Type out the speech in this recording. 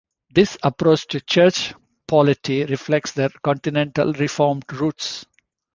This approach to church polity reflects their continental Reformed roots.